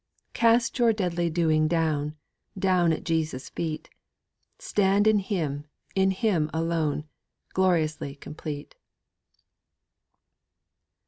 Cast your deadly doing down, Down at Jesus' feet; Stand in Him, in Him alone, Gloriously complete.